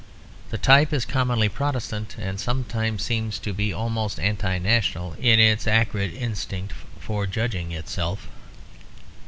The type is commonly Protestant; and sometimes seems to be almost anti national in its acrid instinct for judging itself.